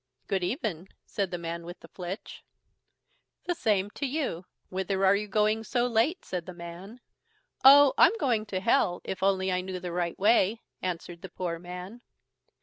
"Good even", said the man with the flitch. "The same to you; whither are you going so late?" said the man. "Oh! I'm going to Hell, if I only knew the right way", answered the poor man.